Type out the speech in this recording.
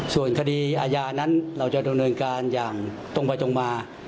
ส่วนคดีอาญานั้นเราจะดำเนินการอย่างตรงไปตรงมา